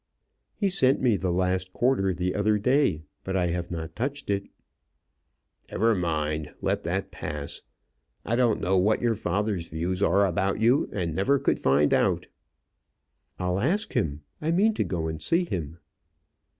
"He sent me the last quarter the other day; but I have not touched it." "Never mind; let that pass. I don't know what your father's views are about you, and never could find out." "I'll ask him. I mean to go and see him."